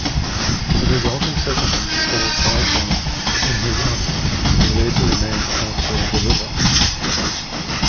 The resulting settlement, called Bytown in his honour, was later renamed after the river.